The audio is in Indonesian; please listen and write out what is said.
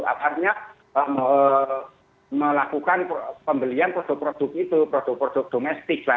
artinya melakukan pembelian produk produk itu produk produk domestik